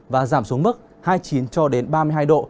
và giảm xuống mức hai mươi chín cho đến ba mươi hai độ